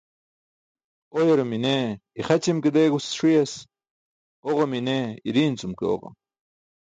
Oyarum i̇ne ixaćim ke deegus ṣi̇yas, oġam i̇ne i̇ri̇i̇n cum ke oġam.